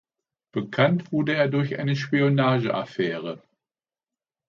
Bekannt wurde er durch eine Spionageaffäre.